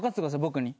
僕に。